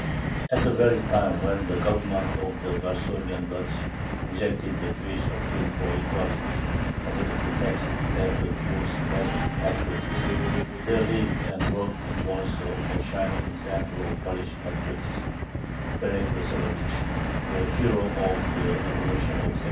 At the very time when the Government of the Varsovian Duchy rejected the Jewish appeal for equality, under the pretext that the Jews lacked patriotism, there lived and worked in Warsaw a shining example of Polish patriotism, Berek Yoselovich, the hero of the Revolution of 1794.